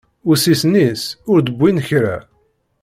Ussisen-is ur d-wwin kra.